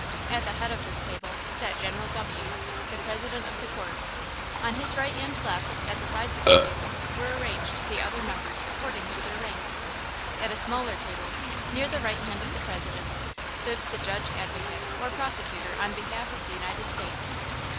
At the head of this table sat General W., the president of the court. On his right and left, at the sides of the table, were arranged the other members according to their rank. At a smaller table, near the right hand of the President, stood the Judge Advocate or prosecutor on behalf of the United States.